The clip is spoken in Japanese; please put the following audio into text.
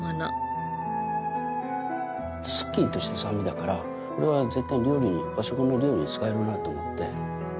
スッキリとした酸味だからこれは絶対和食の料理に使えるなと思って。